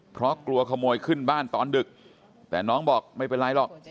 เพราะกลัวขโมยขึ้นบ้านตอนดึกแต่น้องบอกไม่เป็นไรหรอก